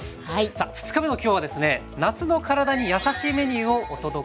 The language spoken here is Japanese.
さあ２日目の今日はですね「夏の体にやさしいメニュー」をお届けします。